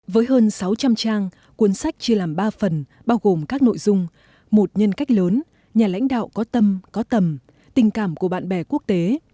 với hơn sáu trăm linh trang cuốn sách chia làm ba phần bao gồm các nội dung một nhân cách lớn nhà lãnh đạo có tâm có tầm tình cảm của bạn bè quốc tế